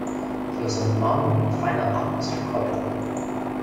He was on the mound when the final out was recorded.